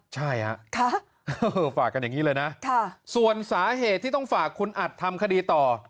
ใช่ฮะฝากกันอย่างนี้เลยนะส่วนสาเหตุที่ต้องฝากคุณอัดทำคดีต่อ